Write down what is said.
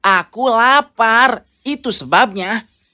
aku lapar itu sebabnya